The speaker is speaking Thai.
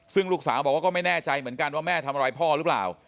ซึ่งลูกสาวบอกว่าก็ไม่แน่ใจเหมือนกันว่าแม่ทำอะไรพ่อหรือเปล่า